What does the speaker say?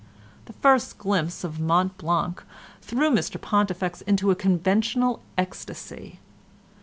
The first glimpse of Mont Blanc threw Mr Pontifex into a conventional ecstasy.